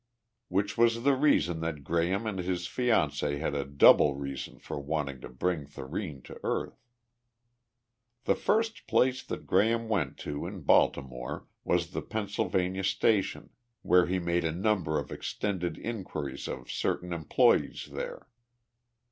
Which was the reason that Graham and his fiancée had a double reason for wanting to bring Thurene to earth. The first place that Graham went to in Baltimore was the Pennsylvania station, where he made a number of extended inquiries of certain employees there.